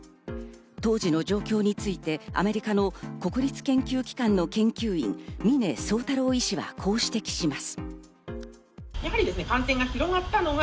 当時の状況についてアメリカの国立研究機関の研究員・峰宗太郎医師はこう指摘します。